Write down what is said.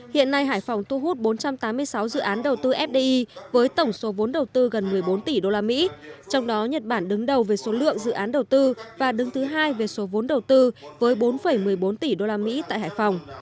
hiện nay hải phòng thu hút bốn trăm tám mươi sáu dự án đầu tư fdi với tổng số vốn đầu tư gần một mươi bốn tỷ usd trong đó nhật bản đứng đầu về số lượng dự án đầu tư và đứng thứ hai về số vốn đầu tư với bốn một mươi bốn tỷ usd tại hải phòng